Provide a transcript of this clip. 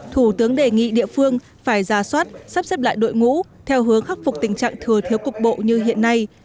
thủ tướng đề nghị địa phương phải ra soát sắp xếp lại đội ngũ theo hướng khắc phục tình trạng thừa thiếu cục bộ như hiện nay